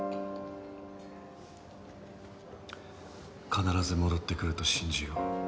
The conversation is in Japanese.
必ず戻ってくると信じよう。